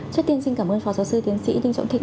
trước tiên xin cảm ơn phó giáo sư tiến sĩ đinh trọng thịnh